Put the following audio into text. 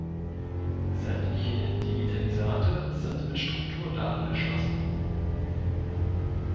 Sämtliche Digitalisate sind mit Strukturdaten erschlossen.